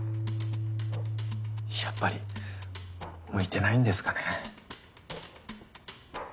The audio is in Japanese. やっぱり向いてないんですかね。